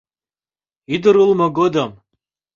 Ӱдыр улмо годым